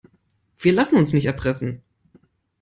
Wir lassen uns nicht erpressen.